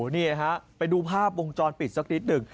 อ๋อนี่ไหวเค้าไปดูภาพวงจรปิดสักนิดหนึ่ง